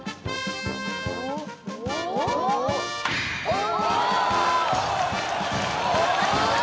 お！